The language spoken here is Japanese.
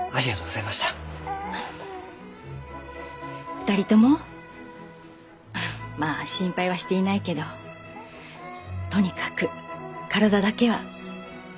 ２人ともフッまあ心配はしていないけどとにかく体だけは大事になさいね。